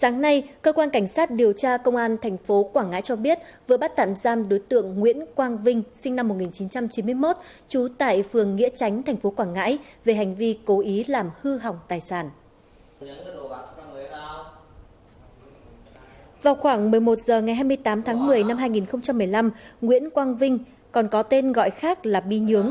các bạn hãy đăng ký kênh để ủng hộ kênh của chúng mình nhé